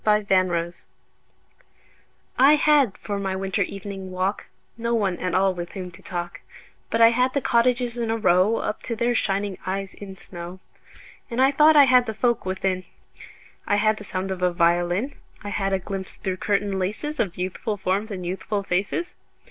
Good Hours I HAD for my winter evening walk No one at all with whom to talk, But I had the cottages in a row Up to their shining eyes in snow. And I thought I had the folk within: I had the sound of a violin; I had a glimpse through curtain laces Of youthful forms and youthful faces.